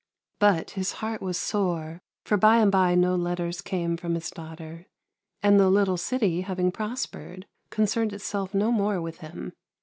But his heart was sore ; for by and by no letters came from his daughter, and the little city, having prospered, con cerned itself no more with him.